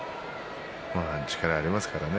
力はありますからね。